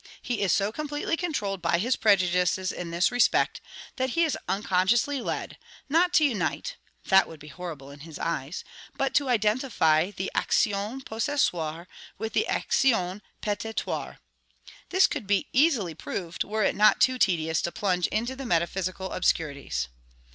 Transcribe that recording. He is so completely controlled by his prejudices in this respect, that he is unconsciously led, not to unite (that would be horrible in his eyes), but to identify the action possessoire with the action petitoire. This could be easily proved, were it not too tedious to plunge into these metaphysical obscurities.